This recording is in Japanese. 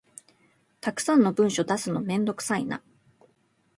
たくさんの文書出すのめんどくさいな